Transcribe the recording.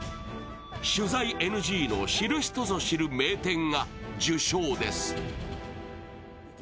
取材ＮＧの知る人ぞ知る名店が受賞です。